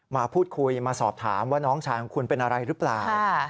มาพูดคุยมาสอบถามว่าน้องชายของคุณเป็นอะไรหรือเปล่า